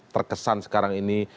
terkesan sekarang ini